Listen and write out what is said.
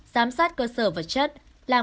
giám sát cơ sở vật chất làm